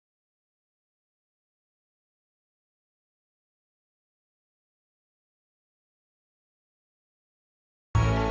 saya ini pertama kali tembakbut